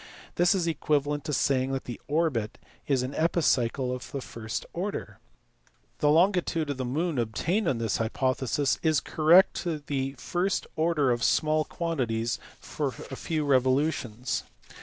This is equivalent to saying that the orbit is an epicycle of the first order. The longitude of the moon obtained on this hypothesis is correct to the first order of small quantities for a 88 THE FIRST ALEXANDRIAN SCHOOL. few revolutions.